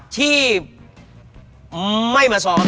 ที่ไม่มาซ้อม